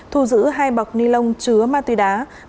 thu giữ hai bọc ni lông chứa ma túy đá